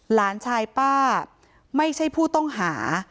หลานชายป้าไม่ใช่ผู้ต้องหา